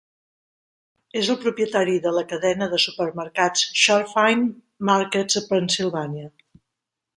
És el propietari de la cadena de supermercats Shurfine Markets a Pennsilvània.